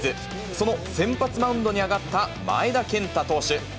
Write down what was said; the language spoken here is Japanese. その先発マウンドにあがった前田健太投手。